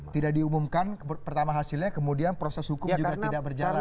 tidak diumumkan pertama hasilnya kemudian proses hukum juga tidak berjalan